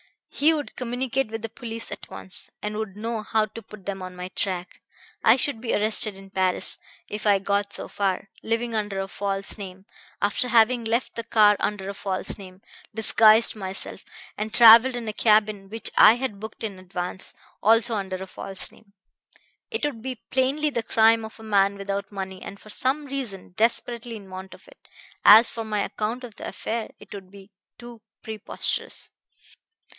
He would communicate with the police at once, and would know how to put them on my track. I should be arrested in Paris if I got so far living under a false name, after having left the car under a false name, disguised myself, and traveled in a cabin which I had booked in advance, also under a false name. It would be plainly the crime of a man without money, and for some reason desperately in want of it. As for my account of the affair, it would be too preposterous.